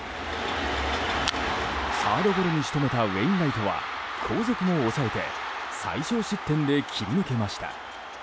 サードゴロに仕留めたウェインライトは後続も抑えて最少失点で切り抜けました。